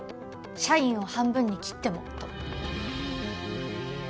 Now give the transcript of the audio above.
社員を半分に切ってもと。